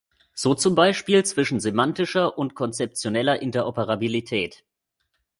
So zum Beispiel zwischen semantischer und konzeptioneller Interoperabilität.